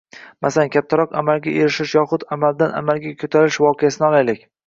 Masalan, kattaroq amalga erishish yoxud amaldan amalga ko’tarilish voqeasini olaylik.